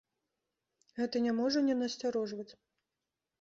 Гэта не можа не насцярожваць.